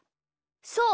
そう。